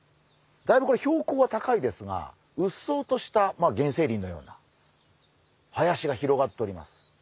だいぶ標高が高いですがうっそうとした原生林のような林が広がっております。